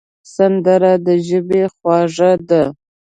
سندره د ژبې خواږه ده